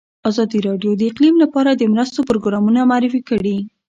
ازادي راډیو د اقلیم لپاره د مرستو پروګرامونه معرفي کړي.